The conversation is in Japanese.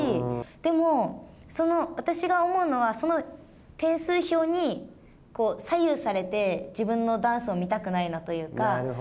でも、私が思うのはその点数表に左右されて自分のダンスを見たくないなというか。